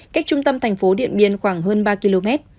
cách trung tâm thành phố điện biên khoảng hơn ba km